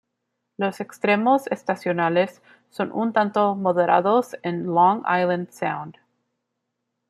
Los extremos estacionales son un tanto moderados en Long Island Sound.